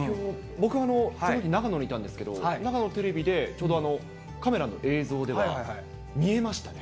僕はそのとき長野にいたんですけど、長野テレビでカメラの映像では見えましたね。